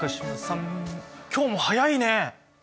今日も早いね。